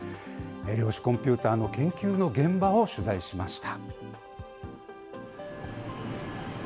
量子コンピューターの研究の現場を取材しました。